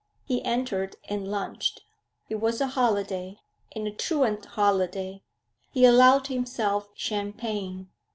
He entered and lunched. It was a holiday, and a truant holiday; he allowed himself champagne.